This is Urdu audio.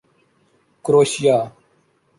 کروشیا